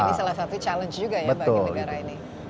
ini salah satu challenge juga ya bagi negara ini